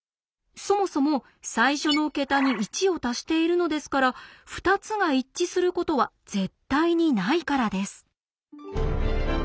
そもそも最初の桁に１を足しているのですから２つが一致することは絶対にないからです。